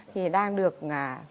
thì đang được rất là ưa chuộng